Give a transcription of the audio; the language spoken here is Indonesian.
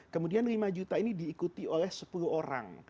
kemudian lima juta ini diikuti oleh sepuluh orang